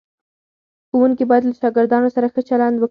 ښوونکي باید له شاګردانو سره ښه چلند وکړي.